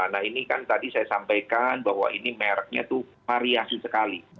nah ini kan tadi saya sampaikan bahwa ini mereknya itu variasi sekali